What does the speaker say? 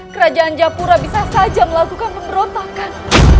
kerajaan japura bisa saja melakukan pemberontakan